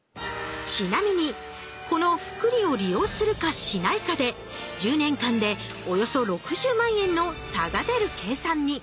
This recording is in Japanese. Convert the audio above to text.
ちなみにこの複利を利用するかしないかで１０年間でおよそ６０万円の差が出る計算に！